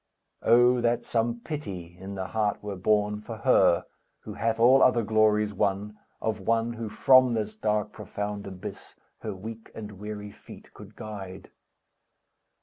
Oh that some pity in the heart were born, For her, who hath all other glories won, Of one, who from this dark, profound abyss, Her weak and weary feet could guide!